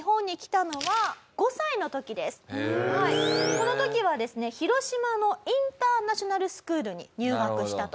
この時はですね広島のインターナショナルスクールに入学したと。